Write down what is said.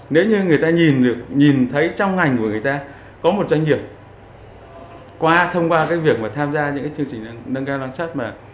nếu như người ta nhìn thấy trong ngành của người ta có một doanh nghiệp qua thông qua cái việc mà tham gia những chương trình nâng cao năng suất